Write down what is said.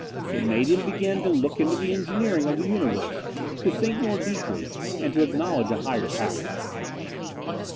It made him begin to look into the engineering of the universe, to think more deeply, and to acknowledge a Higher Power.